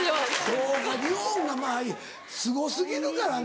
そうか日本がまぁすご過ぎるからな。